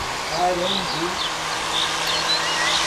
Parambu